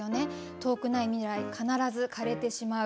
遠くない未来必ず枯れてしまう。